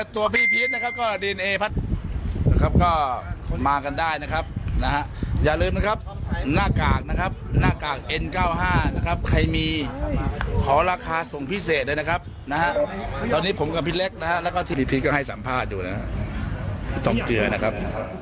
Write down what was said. ตอนนี้ผมกับพี่เล็กแล้วก็พี่พีชก็ให้สัมภาษณ์อยู่นะครับพี่ทองเจือนะครับ